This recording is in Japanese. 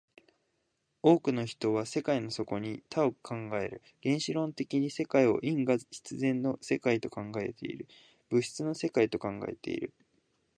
多くの人は世界の底に多を考える、原子論的に世界を因果必然の世界と考えている、物質の世界と考えている。